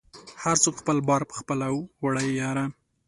هر څوک خپل بار په خپله وړی یاره